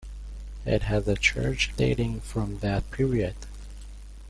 It has a church dating from that period.